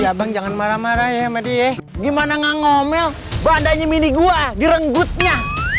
abang jangan marah marah ya mady eh gimana ngomel badannya mini gua direnggutnya